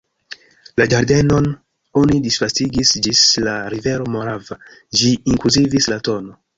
La ĝardenon oni disvastigis ĝis la rivero Morava: ĝi inkluzivis la tn.